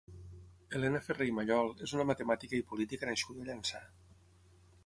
Helena Ferrer i Mallol és una matemàtica i política nascuda a Llançà.